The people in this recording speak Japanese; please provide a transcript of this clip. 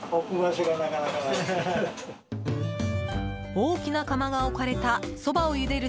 大きな釜が置かれたそばをゆでる